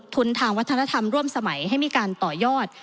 ทุนทางวัฒนธรรมร่วมสมัยให้มีการต่อยอด